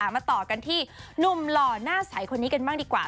มาต่อกันที่หนุ่มหล่อหน้าใสคนนี้กันบ้างดีกว่า